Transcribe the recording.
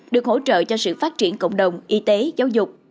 được hỗ trợ cho sự phát triển cộng đồng y tế giáo dục